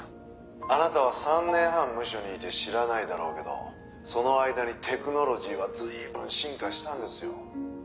あなたは３年半ムショにいて知らないだろうけどその間にテクノロジーは随分進化したんですよ」